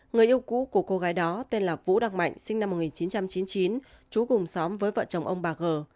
người yêu cũ của cô gái đó tên là vũ đăng mạnh sinh năm một nghìn chín trăm chín mươi chín chú cùng xóm với vợ chồng ông bà gờ